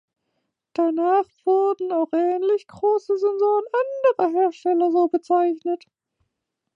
Danach wurden auch ähnlich große Sensoren anderer Hersteller so bezeichnet.